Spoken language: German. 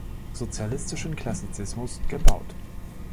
Sozialistischen Klassizismus gebaut.